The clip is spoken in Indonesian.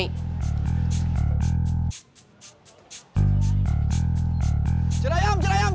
tidak ada yang bisa dihapus